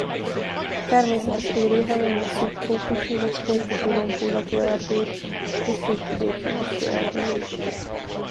Természetes élőhelyei a szubtrópusi vagy trópusi lombhullató erdők és síkvidéki esőerdők.